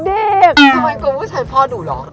ทำไมกลัวผู้ชายพ่อดุเหรอ